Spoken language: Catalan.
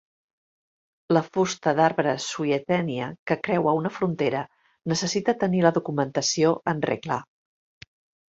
La fusta d'arbres "Swietenia" que creua una frontera necessita tenir la documentació en regla.